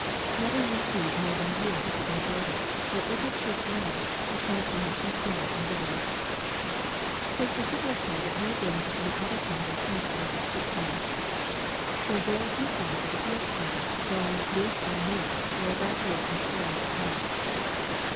Never use seed more than a year if you can avoid it, for if it should grow, the plants will not be strong and vigo rous. Take particular care that no grains of any other kind are planted with your sweet corn. MAY. 103 for a very few plants of the field corn, grow* ing with or near it, would adulterate and spoil your crop.